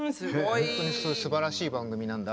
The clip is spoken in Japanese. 本当にすばらしい番組なんだ。